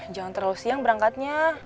jangan terlalu siang berangkatnya